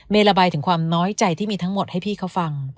ระบายถึงความน้อยใจที่มีทั้งหมดให้พี่เขาฟัง